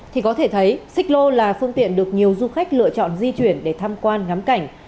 thì có thể thấy xích lô là phương tiện được nhiều du khách lựa chọn di chuyển để tham quan ngắm cảnh